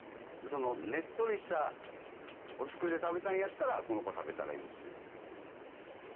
ねっとりしたお造りで食べたいんやったらこの子食べたらいいし。